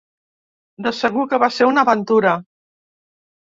De segur que va ser una aventura.